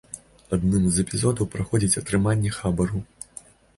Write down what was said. Адным з эпізодаў праходзіць атрыманне хабару.